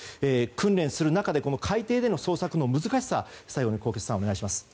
訓練する中で海底での捜索の難しさを最後に纐纈さん、お願いします。